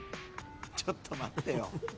ちょっと待ってよ。